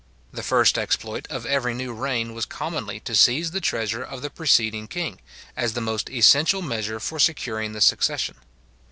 The first exploit of every new reign was commonly to seize the treasure of the preceding king, as the most essential measure for securing the succession.